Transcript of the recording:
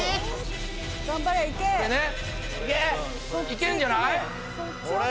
いけんじゃない？